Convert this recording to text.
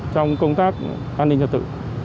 trong công tác an ninh trật tự